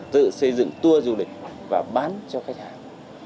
tự xây dựng tour du lịch và bán cho khách hàng